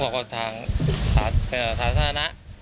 เขาบอกว่าทางสาธารณะ